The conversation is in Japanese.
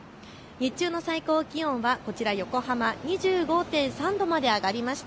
日中の最高気温はこちら横浜、２５．３度まで上がりました。